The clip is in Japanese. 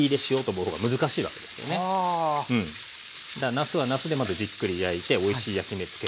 なすはなすでまたじっくり焼いておいしい焼き目つける。